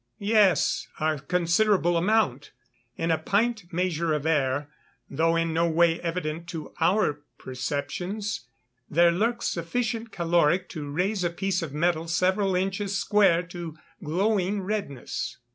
_ Yes: a considerable amount. In a pint measure of air, though in no way evident to our perceptions, there lurks sufficient caloric to raise a piece of metal several inches square to glowing redness.